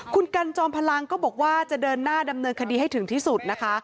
คุณกันจอมพลังก็บอกว่าจะเดินหน้าดำเนินคดีให้ถึงที่สุดนะคะ